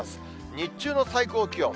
日中の最高気温。